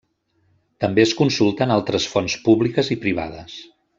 També es consulten altres fonts públiques i privades.